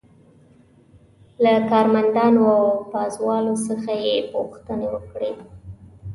له کارمندانو او پازوالو څخه یې پوښتنې وکړې.